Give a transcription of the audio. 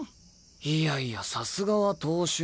いやいやさすがは東秀。